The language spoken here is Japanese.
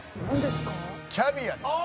キャビアです。